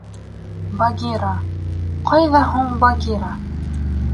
Багира... ҡайҙа һуң Багира?